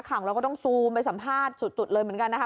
ข่าวเราก็ต้องซูมไปสัมภาษณ์สุดเลยเหมือนกันนะคะ